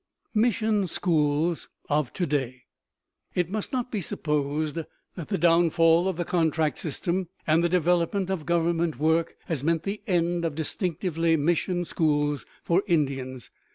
MISSION SCHOOLS OF TO DAY It must not be supposed that the downfall of the contract system and the development of Government work has meant the end of distinctively mission schools for Indians.